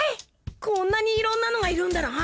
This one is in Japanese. こんなにいろんなのがいるんだな！